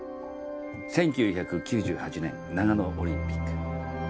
１９９８年長野オリンピック。